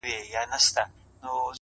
پر زمري باندي د سختو تېرېدلو -